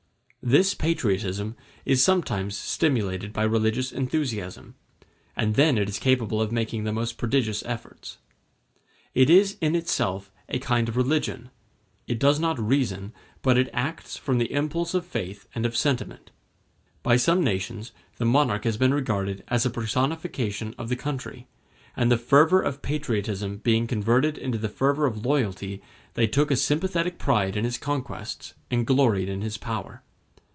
This patriotism is sometimes stimulated by religious enthusiasm, and then it is capable of making the most prodigious efforts. It is in itself a kind of religion; it does not reason, but it acts from the impulse of faith and of sentiment. By some nations the monarch has been regarded as a personification of the country; and the fervor of patriotism being converted into the fervor of loyalty, they took a sympathetic pride in his conquests, and gloried in his power.